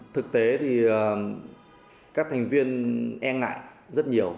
thực tế thì các thành viên e ngại rất nhiều